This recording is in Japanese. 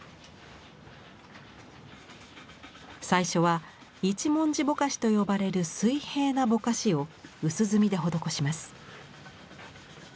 最初は「一文字ぼかし」と呼ばれる水平なぼかしを薄墨で施します。